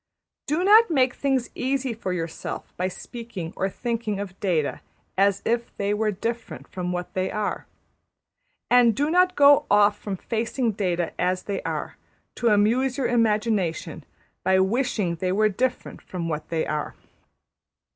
Do not make things easy for yourself by speaking or thinking of data as if they were different from what they are; and do not go off from facing data as they are, to amuse your imagination by wishing they were different from what they are.